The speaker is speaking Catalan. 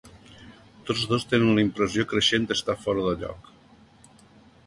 Tots dos tenen la impressió creixent d'estar fora de lloc.